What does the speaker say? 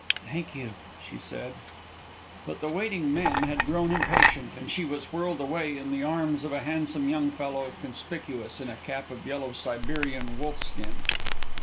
"Thank you," she said. But the waiting men had grown impatient, and she was whirled away in the arms of a handsome young fellow, conspicuous in a cap of yellow Siberian wolf skin.